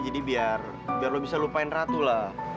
jadi biar biar lo bisa lupain ratu lah